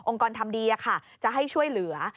กรทำดีจะให้ช่วยเหลือ